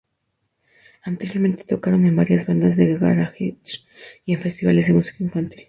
Anteriormente tocaron en varias bandas de garaje y en festivales de música infantil.